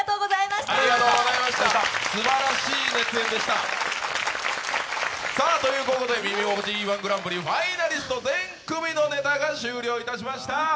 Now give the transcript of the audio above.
すばらしいです。ということで「耳心地いい−１グランプリ」ファイナリスト全組のネタが終了いたしました